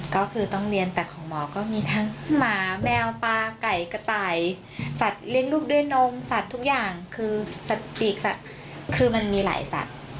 ก็คือต้องเรียนแต่ของหมอก็มีทั้งหมาแมวปลาไก่กระต่ายสัตว์เลี้ยงลูกด้วยนมสัตว์ทุกอย่างคือสัตว์ปีกสัตว์คือมันมีหลายสัตว์